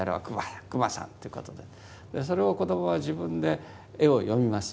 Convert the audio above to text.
それを子どもは自分で絵を読みますね。